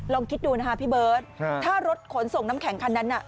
ลองคิดดูนะคะพี่เบิร์ตถ้ารถขนส่งน้ำแข็งคันนั้นน่ะ